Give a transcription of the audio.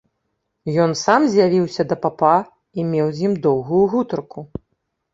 Ён сам з'явіўся да папа і меў з ім доўгую гутарку.